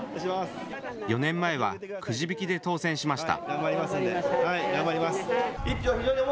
４年前はくじ引きで当選しました。